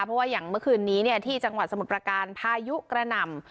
เพราะว่าอย่างเมื่อคืนนี้ที่จังหวัดสมุทรประการพายุกระหน่ำ